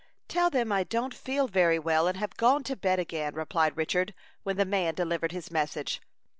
"Tell them I don't feel very well, and have gone to bed again," replied Richard, when the man delivered his message.